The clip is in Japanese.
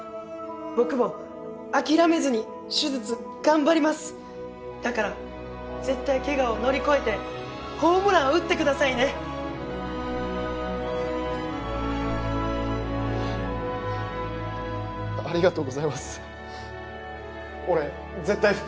僕も諦めずに手術頑張りますだから絶対ケガを乗り越えてホームラン打ってくださいねありがとうございます俺絶対復活します